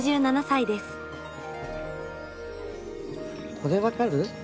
これ分かる？